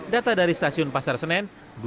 data dari stasiun pasar senen